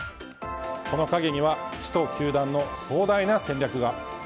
その陰には市と球団の壮大な戦略が。